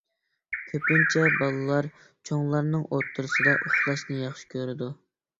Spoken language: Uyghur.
كۆپىنچە بالىلار چوڭلارنىڭ ئوتتۇرىسىدا ئۇخلاشنى ياخشى كۆرىدۇ.